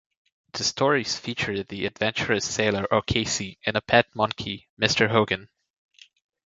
The stories featured the adventurous sailor O'Casey and a pet monkey, Mr. Hogan.